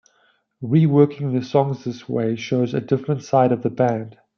Reworking the songs this way shows a different side of the band.